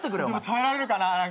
たえられるかな。